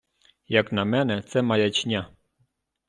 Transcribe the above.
Як на мене, це маячня.